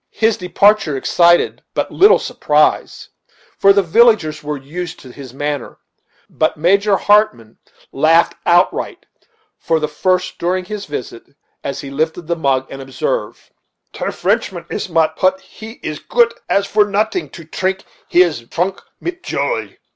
His departure excited but little surprise, for the villagers were used to his manner; but Major Hartmann laughed outright, for the first during his visit, as he lifted the mug, and observed: "Ter Frenchman is mat put he is goot as for noting to trink: he is trunk mit joy."